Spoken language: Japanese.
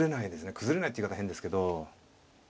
崩れないって言い方変ですけど。